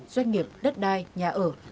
doanh nghiệp đất đai nhà ở